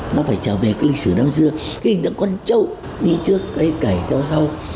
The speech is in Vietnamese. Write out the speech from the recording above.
nó phải trở về cái lịch sử năm xưa cái lịch sử con trâu đi trước cầy trâu sau